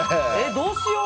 どうしよう。